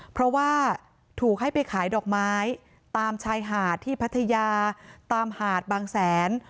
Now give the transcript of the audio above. เพราะว่าถูกให้ไปขายดอกไม้ตามชายหาดที่พัทยาตามหาดบางแสน